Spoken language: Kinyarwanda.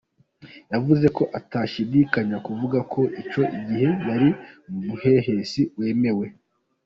Yavuze ko atashidikanya kuvuga ko icyo gihe yari umuhehesi wemewe.